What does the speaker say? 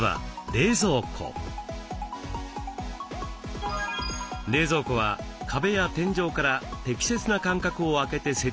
冷蔵庫は壁や天井から適切な間隔を空けて設置することをオススメします。